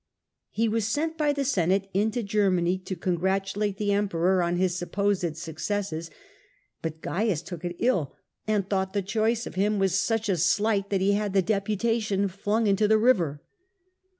He was sent by the Senate into Germany to congratulate the Emperor on his supposed successes ; but Caius took it ill, and thought the choice of him was such a slight that he had the deputation flung into the river.